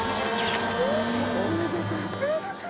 おめでとう。